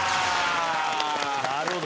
なるほど。